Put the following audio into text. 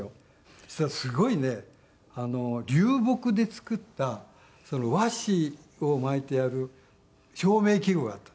そしたらすごいね流木で作った和紙を巻いてある照明器具があった。